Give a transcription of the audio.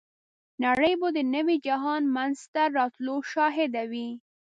نړۍ به د نوي جهان منځته راتلو شاهده وي.